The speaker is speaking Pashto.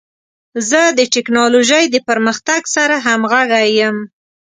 زه د ټکنالوژۍ د پرمختګ سره همغږی یم.